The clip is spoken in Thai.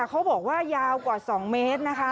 เขาบอกว่ายาวกว่า๒เมตรนะคะ